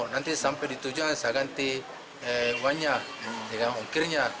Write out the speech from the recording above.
nanti sampai ditujuan saya ganti uangnya dengan ukirnya